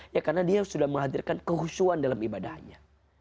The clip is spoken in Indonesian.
ya karena dia sudah menghadirkan kehusuan dalam ibadahnya